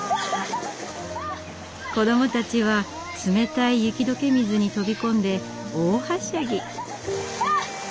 子どもたちは冷たい雪解け水に飛び込んで大はしゃぎ。